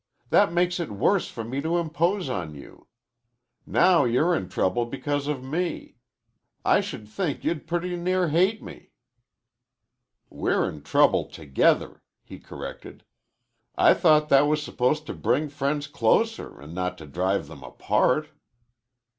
"That makes it worse for me to impose on you. Now you're in trouble because of me. I should think you'd pretty near hate me." "We're in trouble together," he corrected. "I thought that was supposed to bring friends closer an' not to drive them apart."